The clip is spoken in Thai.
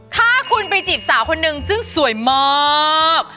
ถ้าคุณไปจีบสาวคนนึงซึ่งสวยมาก